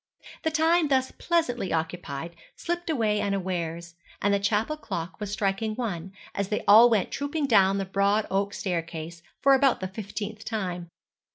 The time thus pleasantly occupied slipped away unawares; and the chapel clock was striking one as they all went trooping down the broad oak staircase for about the fifteenth time.